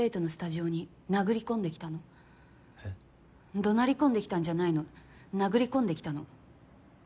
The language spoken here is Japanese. どなり込んできたんじゃないの殴り込んできたの。